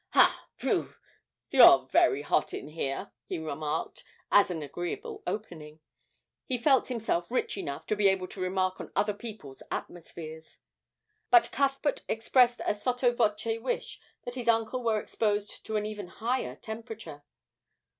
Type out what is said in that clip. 'Hah! phew you're very hot in here!' he remarked, as an agreeable opening he felt himself rich enough to be able to remark on other people's atmospheres; but Cuthbert expressed a sotto voce wish that his uncle were exposed to an even higher temperature.